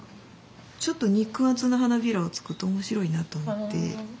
ちょっと肉厚な花びらを作ると面白いなと思って。